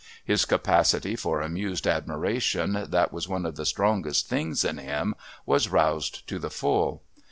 His capacity for amused admiration that was one of the strongest things in him, was roused to the full.